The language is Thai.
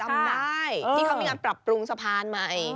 ได้ที่เขามีการปรับปรุงสะพานใหม่